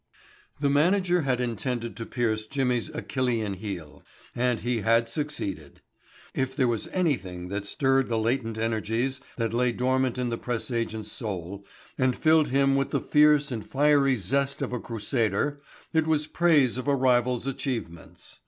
The manager had intended to pierce Jimmy's Achillian heel and he had succeeded. If there was anything that stirred the latent energies that lay dormant in the press agent's soul and filled him with the fierce and fiery zest of a crusader it was praise of a rival's achievements.